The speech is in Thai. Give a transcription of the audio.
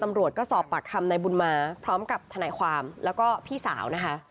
ตำรวจก็สอบปากคำนายบุญมาพร้อมกับทนายความแล้วก็พี่สาวนะคะ